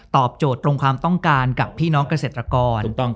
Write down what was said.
โจทย์ตรงความต้องการกับพี่น้องเกษตรกร